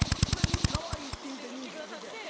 かわいいっていうて人気が出て。